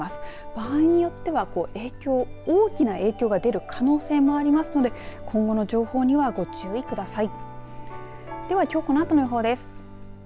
場合によっては影響、大きな影響が出る可能性がありますので今後の情報にはご注意ください。